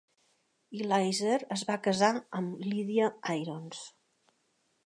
Eleazer es va casar amb Lydia Irons.